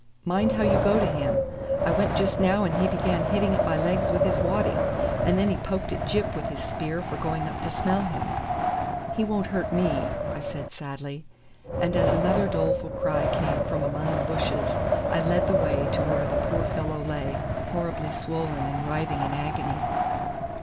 Mind how you go to him. I went just now and he began hitting at my legs with his waddy, and then he poked at Gyp with his spear for going up to smell him." "He won't hurt me," I said sadly; and as another doleful cry came from among the bushes, I led the way to where the poor fellow lay, horribly swollen and writhing in agony.